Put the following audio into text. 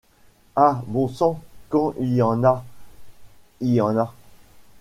Ah ! bon sang ! quand y en a, y en a !